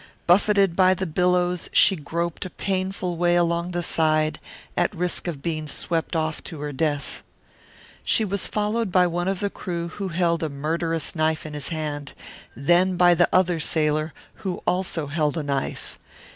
Buffeted by the billows she groped a painful way along the side, at risk of being swept off to her death. She was followed by one of the crew who held a murderous knife in his hand, then by the other sailor who also held a knife.